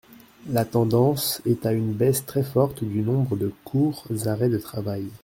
La tendance est à une baisse très forte du nombre de courts arrêts de travail.